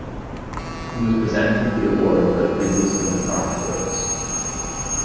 He was presented the award by the previous winner Garth Brooks.